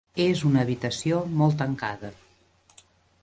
És una habitació molt tancada.